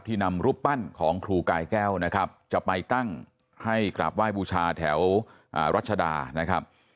นำรูปปั้นของครูกายแก้วนะครับจะไปตั้งให้กราบไหว้บูชาแถวรัชดานะครับ